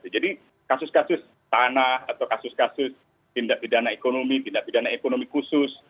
jadi kasus kasus tanah atau kasus kasus tindak pidana ekonomi tindak pidana ekonomi khusus